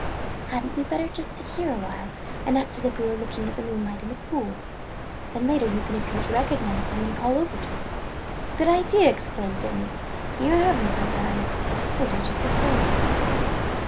"Had n't we better just sit here a while and act as if we were looking at the moonlight on the pool? Then later you can appear to recognize him and call over to him." "Good idea!" exclaimed Sydney. "You have 'em sometimes! We 'll do just that thing."